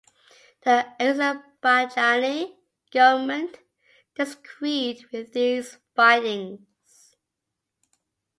The Azerbaijani government disagreed with these findings.